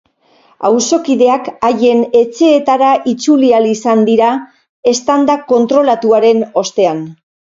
Auzokideak haien etxeetara itzuli ahal izan dira eztanda kontrolatuaren ostean.